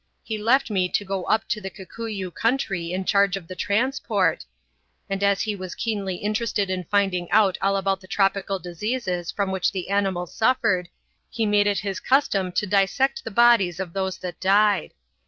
He left me to go up to the Kikuyu country in charge of the transport, and as he was keenly interested in finding out all about the tropical diseases from which the animals suffered, he made it his custom to dissect the bodies of those that died.